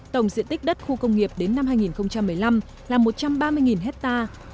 tổng diện tích đất khu công nghiệp đến năm hai nghìn một mươi năm là một trăm ba mươi hectare